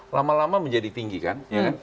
lama lama menjadi tinggi kan